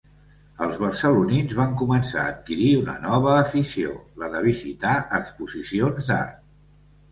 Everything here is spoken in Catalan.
Els barcelonins van començar a adquirir una nova afició, la de visitar exposicions d'art.